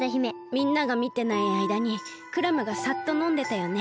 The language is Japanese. みんながみてないあいだにクラムがサッとのんでたよね。